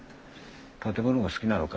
建物が好きなのかい？